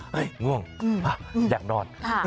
เฮ้ยง่วงอยากนอน